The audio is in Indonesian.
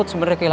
salam kasep ya